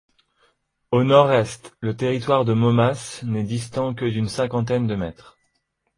Au nord-est, le territoire de Momas n'est distant que d'une cinquantaine de mètres.